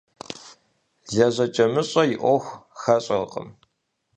ЛэжьэкӀэмыщӀэ и Ӏуэху хэщӀыркъым.